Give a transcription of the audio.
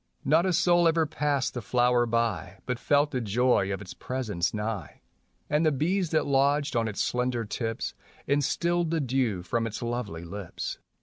Not a soul ever passed the flower by But felt the joy of its presence nigh. .\nd the bees that lodged on its slender tips Instilled the dew from its lovely lips.